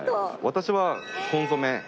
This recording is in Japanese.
私はコンソメ。